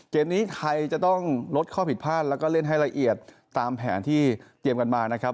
เกมนี้ไทยจะต้องลดข้อผิดพลาดแล้วก็เล่นให้ละเอียดตามแผนที่เตรียมกันมานะครับ